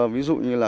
ví dụ như là